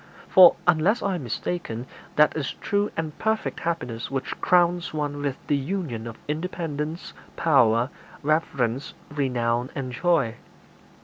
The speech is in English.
For, unless I am mistaken, that is true and perfect happiness which crowns one with the union of independence, power, reverence, renown, and joy.